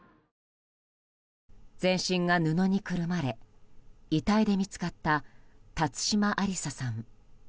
全身が布にくるまれ遺体で見つかった辰島ありささん。